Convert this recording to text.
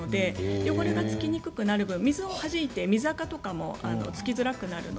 汚れがつきにくくなる分水をはじいて水あかもつきづらくなります。